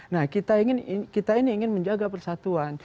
nah kita ini ingin menjaga persatuan